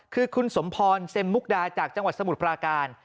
คือคุณสมพรเซ็มมุกดาจากจังหวัดสมุทรปราการ